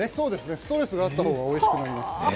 ストレスがあった方がおいしくなります。